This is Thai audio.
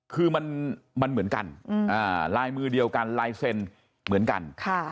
คือมันเหมือนกันลายมือเดียวกันลายเซ็นเหมือนกัน